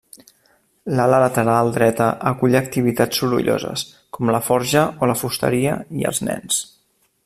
L'ala lateral dreta acull activitats sorolloses, com la forja o la fusteria i els nens.